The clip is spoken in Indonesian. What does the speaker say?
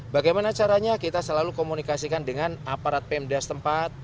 bagaimana caranya kita selalu komunikasikan dengan aparat pmdas tempat